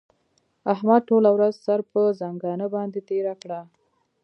احمد ټوله ورځ سر پر ځنګانه باندې تېره کړه.